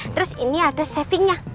terus ini ada savingnya